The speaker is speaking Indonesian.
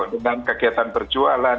dengan kegiatan perjualan